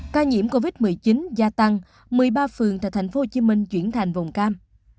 ca nhiễm covid một mươi chín gia tăng một mươi ba phường tại tp hcm chuyển thành vùng cam